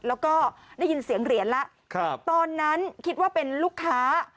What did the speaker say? แล้วก็ได้ยินเสียงเหรียญแล้วตอนนั้นคิดว่าเป็นลูกค้า